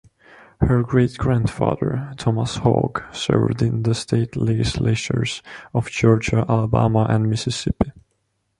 Her great-grandfather, Thomas Hogg, served in the state legislatures of Georgia, Alabama, and Mississippi.